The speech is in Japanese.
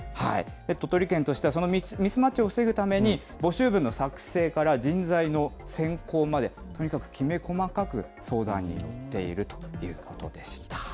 鳥取県としては、そのミスマッチを防ぐために、募集分の作成から人材の選考まで、とにかくきめこまかく相談に乗っているということでした。